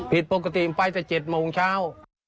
ผิดปกติไปแต่๗โมงเช้า